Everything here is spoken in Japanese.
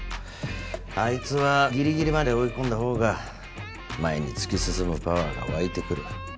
あいつはギリギリまで追い込んだほうが前に突き進むパワーが湧いてくる。